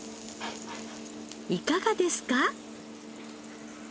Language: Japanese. いかがですか？